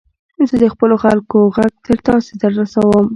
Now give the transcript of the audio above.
زه د خپلو خلکو ږغ تر تاسي در رسوم.